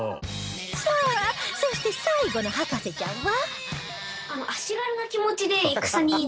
さあそして最後の博士ちゃんは